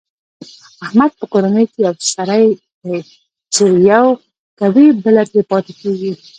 احمد په کورنۍ کې یو سری دی، چې یوه کوي بله ترې پاتې کېږي.